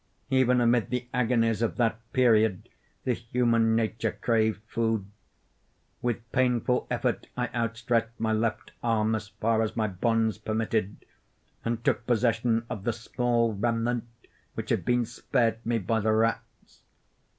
Even amid the agonies of that period, the human nature craved food. With painful effort I outstretched my left arm as far as my bonds permitted, and took possession of the small remnant which had been spared me by the rats.